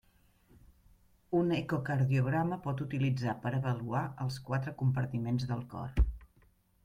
Un ecocardiograma pot utilitzar per avaluar els quatre compartiments del cor.